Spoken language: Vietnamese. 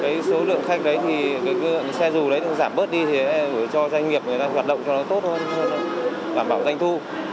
cái số lượng khách đấy thì cái xe dù đấy giảm bớt đi thế để cho doanh nghiệp người ta hoạt động cho nó tốt hơn đảm bảo doanh thu